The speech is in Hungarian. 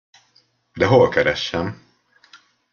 De hol keressem?